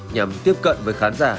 nhằm tiếp cận với khán giả